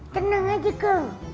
tenang aja kong